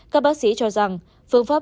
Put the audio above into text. các bác sĩ cho rằng phương pháp